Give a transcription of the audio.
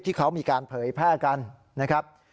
ที่เขามีการเผยแพร่กันนะครับ